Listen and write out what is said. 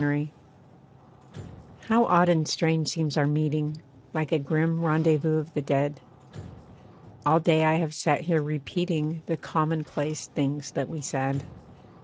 MET How odd and strange seems our meeting Like a grim rendezvous of the dead. All day I have sat here repeating The commonplace things that we said.